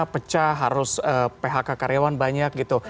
pecah harus phk karyawan banyak gitu